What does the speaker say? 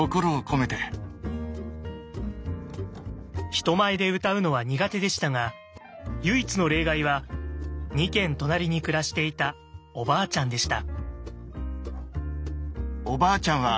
人前で歌うのは苦手でしたが唯一の例外は２軒隣に暮らしていたおばあちゃんでした。